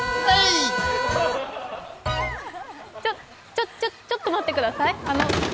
ちょっ、ちょっと待ってください。